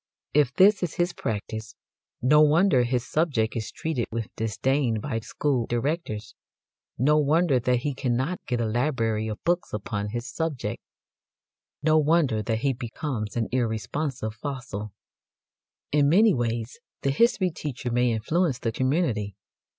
If this is his practice, no wonder his subject is treated with disdain by school directors, no wonder that he cannot get a library of books upon his subject, no wonder that he becomes an irresponsive fossil. In many ways the history teacher may influence the community.